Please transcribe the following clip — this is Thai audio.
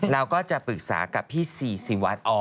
เราก็จะปรึกษากับพี่ซีซีวัด